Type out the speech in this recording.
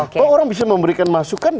atau orang bisa memberikan masukan